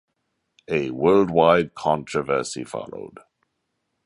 A worldwide controversy followed.